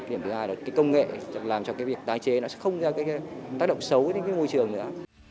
điểm thứ hai là cái công nghệ làm cho cái việc tái chế nó sẽ không ra cái tác động xấu đến cái môi trường nữa